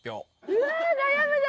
うわ悩むな！